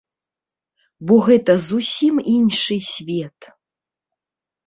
Бо гэта зусім іншы свет.